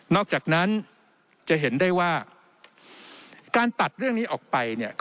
อกจากนั้นจะเห็นได้ว่าการตัดเรื่องนี้ออกไปเนี่ย